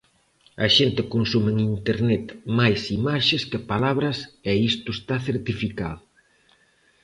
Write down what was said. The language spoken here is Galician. A xente consume en Internet máis imaxes que palabras e isto está certificado.